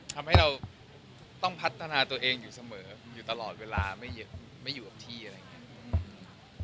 ทำให้เราต้องพัฒนาตัวเองอยู่เสมออยู่ตลอดเวลาไม่อยู่กับที่อะไรอย่างนี้